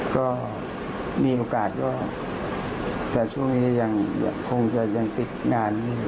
ก็มีโอกาสแต่ช่วงนี้ยังติดงานอยู่